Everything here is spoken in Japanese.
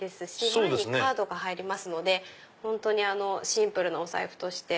前にカードが入りますので本当にシンプルなお財布として。